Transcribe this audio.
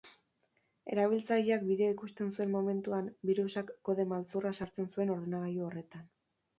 Erabiltzaileak bideoa ikusten zuen momentuan, birusak kode maltzurra sartzen zuen ordenagailu horretan.